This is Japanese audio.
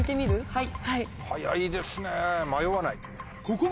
はい！